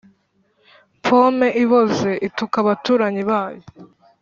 pome iboze ituka abaturanyi bayo.